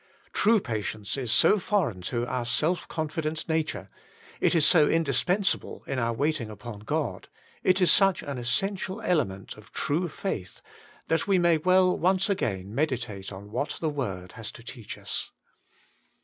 True patience is so foreign to our self confident nature, it is so indispensable in our waiting upon God, it is such an essential element of true faith, that we may well once again meditate on what the word has to teach us.